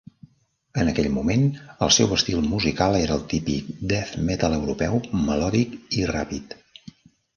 En aquell moment, el seu estil musical era el típic death-metal europeu melòdic i ràpid.